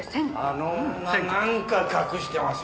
あの女なんか隠してますよね。